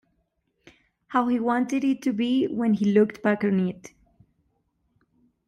How he wanted it to be when he looked back on it.